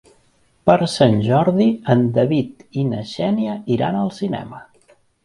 Per Sant Jordi en David i na Xènia iran al cinema.